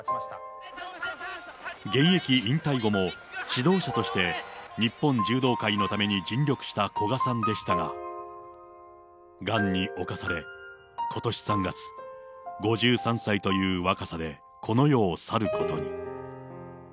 現役引退後も、指導者として日本柔道界のために尽力した古賀さんでしたが、がんに侵され、ことし３月、５３歳という若さでこの世を去ることに。